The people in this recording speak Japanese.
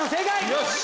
よし！